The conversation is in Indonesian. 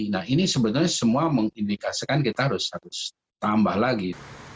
nah ini sebenarnya semua mengindikasikan kita harus tambah lagi